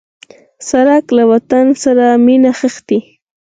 سړک له وطن سره مینه ښيي.